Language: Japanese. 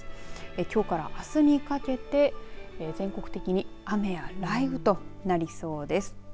きょうからあすにかけて全国的に雨や雷雨となりそうです。